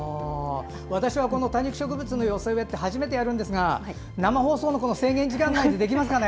私は多肉植物の寄せ植えって初めてやるんですが、生放送の制限時間内でできますかね。